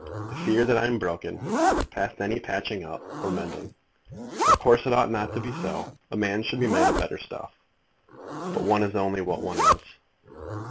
I feel that I am broken, past any patching up or mending. Of course it ought not to be so. A man should be made of better stuff; but one is only what one is."